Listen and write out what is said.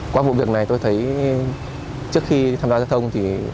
qua vụ việc này tôi thấy trước khi tham gia giao thông thì